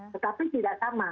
tetapi tidak sama